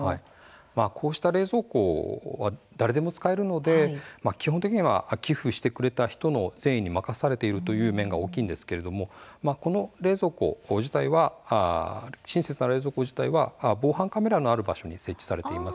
こうした冷蔵庫は誰でも使えるので基本的には寄付してくれた人の善意に任されているという面が大きいんですけれどもこの冷蔵庫自体は親切な冷蔵庫自体は防犯カメラのある場所に設置されています。